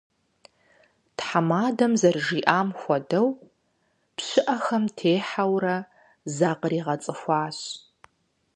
Тхьэмадэм зэрыжиӀам хуэдэу, пщыӀэхэм техьэурэ закъригъэцӀыхуащ.